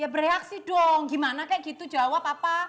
bereaksi dong gimana kayak gitu jawab apa